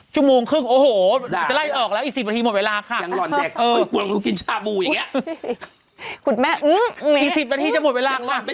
ชั่วโมงครึ่งโอ้โหเดี๋ยวจะไล่ออกแล้วอีก๑๐นาทีหมดเวลาค่ะ